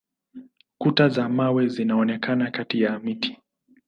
Kuta za mawe zinaonekana kati ya miti.